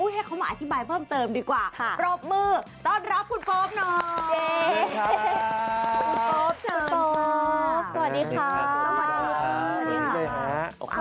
ให้เขามาอธิบายเพิ่มเติมดีกว่าปรบมือต้อนรับคุณโป๊ปหน่อยสวัสดีค่ะ